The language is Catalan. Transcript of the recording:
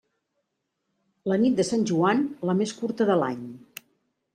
La nit de Sant Joan, la més curta de l'any.